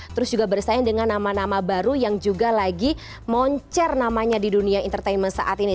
terus juga bersaing dengan nama nama baru yang juga lagi moncer namanya di dunia entertainment saat ini